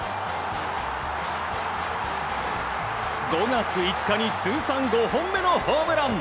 ５月５日に通算５本目のホームラン。